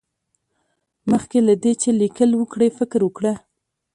مخکې له دې چې ليکل وکړې، فکر وکړه.